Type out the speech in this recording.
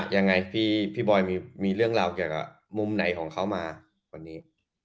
ยังไงพี่ปีบ้อยมีมีเรื่องของมุมไหนของเขามาตอนนี้